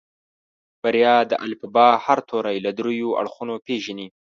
بريا د الفبا هر توری له دريو اړخونو پېژني.